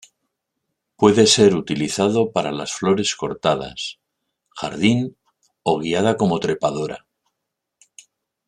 Puede ser utilizado para las flores cortadas, jardín o guiada como trepadora.